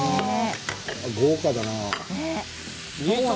豪華だな。